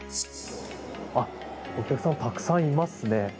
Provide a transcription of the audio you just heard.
お客さんたくさんいますね。